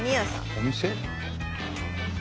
お店？